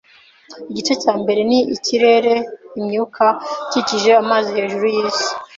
Igice cya mbere ni ikirere imyuka ikikije amazi hejuru yisi